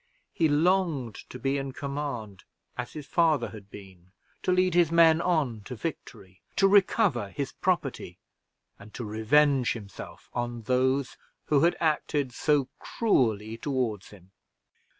He longed to be in command, as his father had been to lead his men on to victory to recover his property, and to revenge himself on those who had acted so cruelly toward him.